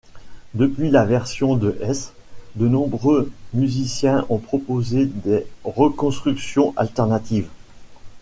Depuis la version de Hess, de nombreux musiciens ont proposé des reconstructions alternatives.